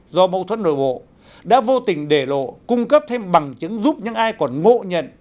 do mâu thuẫn nội bộ đã vô tình đề lộ cung cấp thêm bằng chứng giúp những ai còn ngộ nhận